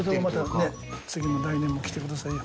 これで、また次の来年も来てくださいよ。